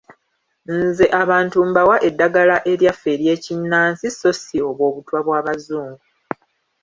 Nze abantu mbawa eddagala eryaffe ery’ekinnansi so si obwo obutwa bw’Abazungu.